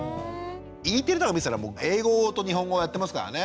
Ｅテレとか見てたらもう英語と日本語やってますからね。